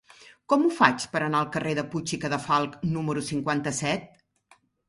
Com ho faig per anar al carrer de Puig i Cadafalch número cinquanta-set?